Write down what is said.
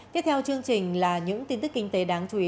tiếp theo chương trình là những tin tức kinh tế đáng chú ý